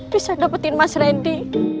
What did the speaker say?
bisa dapetin mas randy